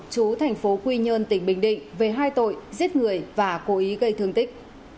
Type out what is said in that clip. chú thành phố quy nhơn tỉnh bình định về hai tội giết người và cố ý gây thương tích